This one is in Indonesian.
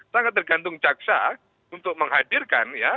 sangat tergantung jaksa untuk menghadirkan ya